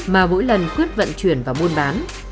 mà mỗi lần quyết vận chuyển và buôn bán